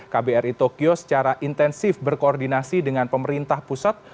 kbri tokyo secara intensif berkoordinasi dengan pemerintah pusat